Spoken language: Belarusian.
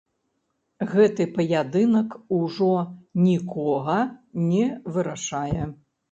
Гэты паядынак ужо нікога не вырашае.